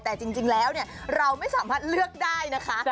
แต่จริงแล้วเราไม่สามารถเลือกได้นะคะ